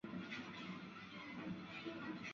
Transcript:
奥特尔芬格是德国巴伐利亚州的一个市镇。